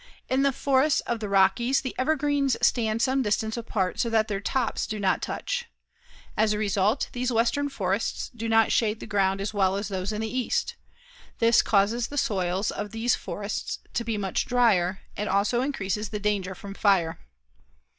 In the forests of the Rockies the evergreens stand some distance apart so that their tops do not touch. As a result, these Western forests do not shade the ground as well as those in the east. This causes the soils of these forests to be much drier, and also increases the danger from fire.